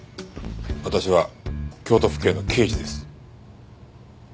私は京都府警の刑事です。